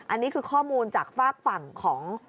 อันนี้คือข้อมูลจากฝากฝั่งของ